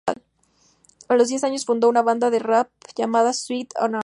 A los diez años, fundó una banda de rap llamada Sweet 'n' Sour.